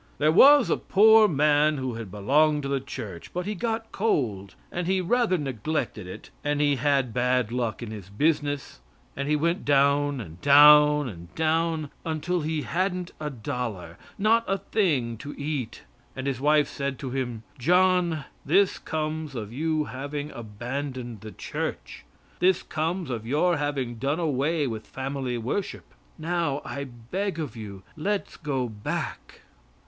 There was a poor man who had belonged to the church, but he got cold, and he rather neglected it, and he had bad luck in his business, and he went down and down and down until he hadn't a dollar not a thing to eat; and his wife said to him, "John, this comes of you having abandoned the church, this comes of your having done away with family worship. Now, I beg of you, let's go back."